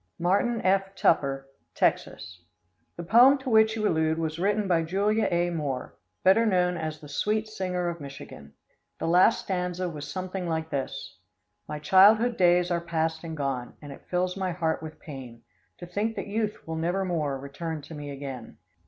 Martin F. Tupper, Texas. The poem to which you allude was written by Julia A. Moore, better known as the Sweet Singer of Michigan. The last stanza was something like this: "My childhood days are past and gone, And it fills my heart with pain, To think that youth will nevermore Return to me again.